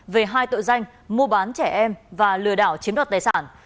về hai tội danh mua bán trẻ em và lừa đảo chiếm đoạt tài sản